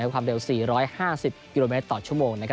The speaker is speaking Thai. ความเร็ว๔๕๐กิโลเมตรต่อชั่วโมง